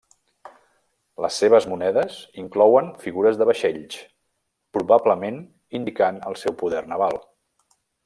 Les seves monedes inclouen figures de vaixells, probablement indicant el seu poder naval.